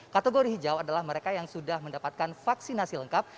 kategori hijau adalah mereka yang sudah mendapatkan vaksinasi lengkap